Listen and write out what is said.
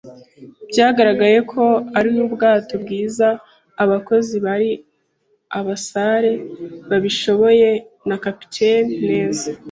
byagaragaye ko ari ubwato bwiza, abakozi bari abasare babishoboye, na capitaine neza